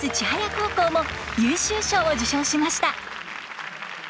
高校も優秀賞を受賞しました。